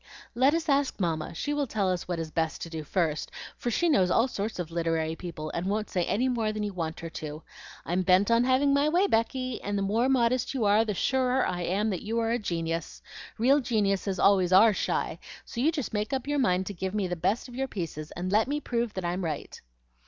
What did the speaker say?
"Let us ask Mamma; she will tell us what is best to do first, for she knows all sorts of literary people, and won't say any more than you want her to. I'm bent on having my way, Becky, and the more modest you are, the surer I am that you are a genius. Real geniuses always ARE shy; so you just make up your mind to give me the best of your pieces, and let me prove that I'm right."